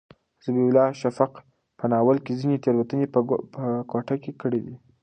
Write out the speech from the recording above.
ذبیح الله شفق په ناول کې ځینې تېروتنې په ګوته کړي دي.